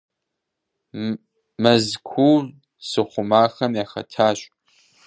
Мэзкуу зыхъумахэм яхэтащ.